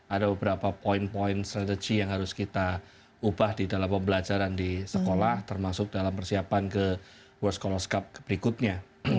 ada beberapa poin poin strategi yang harus kita ubah di dalam pembelajaran di sekolah termasuk dalam persiapan ke world scholars cup berikutnya